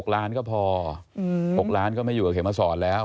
๖ล้านก็พอ๖ล้านก็ไม่อยู่กับเขมมาสอนแล้ว